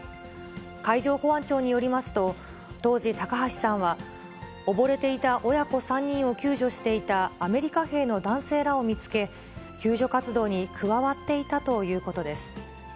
海上保安庁によりますと、当時、高橋さんは溺れていた親子３人を救助していたアメリカ兵の男性らを見つけ、救助活動に加わっていたということです。